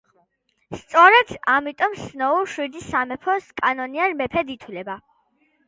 სწორედ ამიტომ სნოუ, შვიდი სამეფოს კანონიერ მეფედ ითვლება.